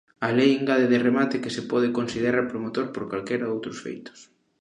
A lei engade de remate que se pode considerar promotor por "calquera outros feitos".